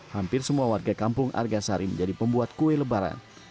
hampir semua warga kampung argasari menjadi pembuat kue lebaran